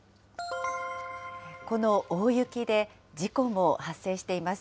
この大雪で、事故も発生しています。